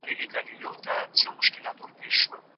موږ هره ورځ زدکړه کوو.